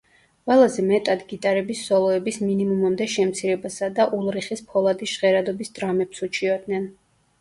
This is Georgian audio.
ყველაზე მეტად გიტარების სოლოების მინიმუმამდე შემცირებასა და ულრიხის ფოლადის ჟღერადობის დრამებს უჩიოდნენ.